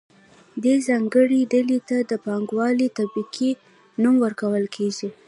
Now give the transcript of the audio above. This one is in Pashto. دې ځانګړې ډلې ته د پانګوالې طبقې نوم ورکول کیږي.